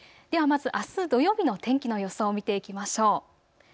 ではまず、あす土曜日の天気の予想を見ていきましょう。